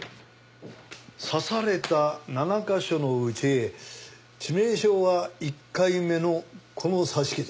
刺された７カ所のうち致命傷は１回目のこの刺し傷。